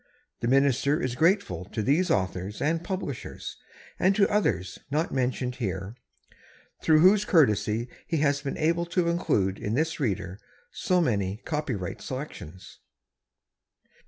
The Minister is grateful to these authors and publishers and to others, not mentioned here, through whose courtesy he has been able to include in this Reader so many copyright selections.